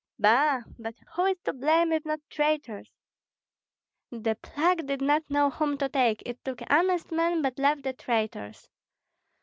Ba! but who is to blame, if not traitors? The plague did not know whom to take; it took honest men, but left the traitors.